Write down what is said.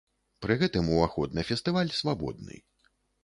Пры гэтым ўваход на фестываль свабодны.